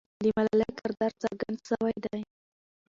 د ملالۍ کردار څرګند سوی دی.